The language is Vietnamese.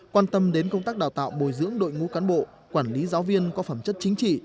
quan tâm đến công tác đào tạo bồi dưỡng đội ngũ cán bộ quản lý giáo viên có phẩm chất chính trị